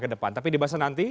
kedepan tapi dibahas nanti